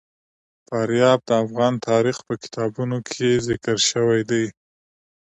فاریاب د افغان تاریخ په کتابونو کې ذکر شوی دي.